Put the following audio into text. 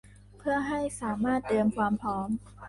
เพื่อให้สามารถเตรียมความพร้อม